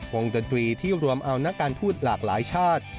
ดนตรีที่รวมเอานักการทูตหลากหลายชาติ